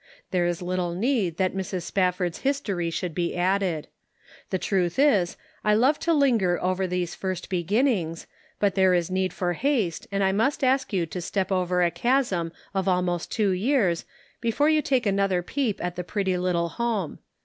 There is little need that Mrs. Spafford's history should be added. The truth is, I love to linger over these first beginnings, but there is need for haste, and I must ask you to step over a chasm of almost two years before you take another peep at the pretty little home.